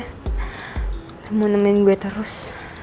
udah mau nemen gue terus